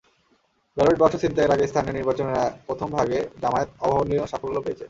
Ballot বাক্স ছিনতাইয়ের আগে স্থানীয় নির্বাচনের প্রথম ভাগে জামায়াত অভাবনীয় সাফল্য পেয়েছে।